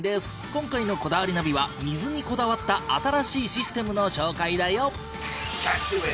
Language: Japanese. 今回の『こだわりナビ』は水にこだわった新しいシステムの紹介だよ。